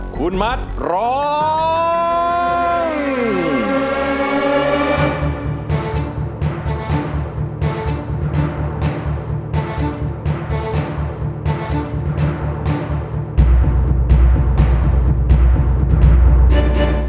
คุณมัดร้อง